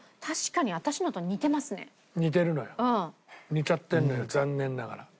似ちゃってるのよ残念ながら。